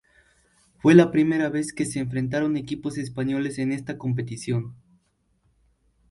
Fue la primera vez que se enfrentaron equipos españoles en esta competición.